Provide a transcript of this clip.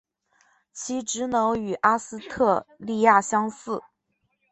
其职能与阿斯特莉亚相似。